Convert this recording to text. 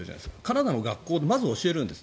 カナダの学校はまず教えるんです。